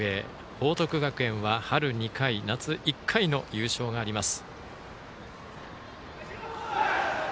報徳学園は春２回、夏１回の優勝があります。